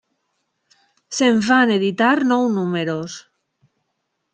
Se'n van editar nou números.